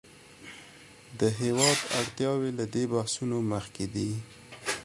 د هېواد اړتیاوې له دې بحثونو مخکې دي.